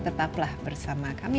tetaplah bersama kami